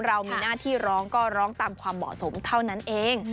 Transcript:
เรามีหน้าที่ร้องก็ร้องตามความเหมาะสมเท่านั้นเอง